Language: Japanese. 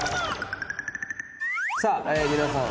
さあ皆さん